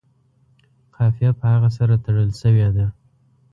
قافیه په هغه سره تړلې شوې ده.